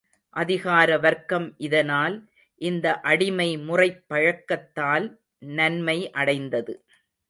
அதிகார வர்க்கம் இதனால், இந்த அடிமை முறைப் பழக்கத்தால் நன்மை அடைந்தது.